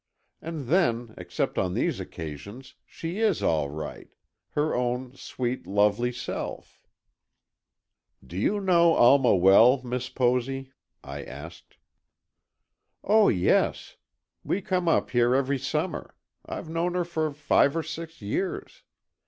And then, except on these occasions, she is all right, her own sweet, lovely self." "Do you know Alma well, Miss Posy?" I asked. "Oh, yes. We come up here every summer, I've known her for five or six years.